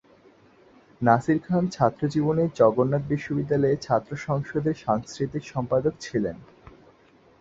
নাসির খান ছাত্র জীবনে জগন্নাথ বিশ্ববিদ্যালয়ের ছাত্র সংসদের সাংস্কৃতিক সম্পাদক ছিলেন।